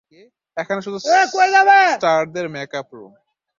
এখানে শুধু স্টারদের মেক আপ রুম।